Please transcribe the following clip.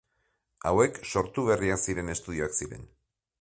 Hauek, sortu berriak ziren estudioak ziren.